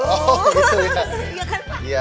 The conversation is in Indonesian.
oh gitu ya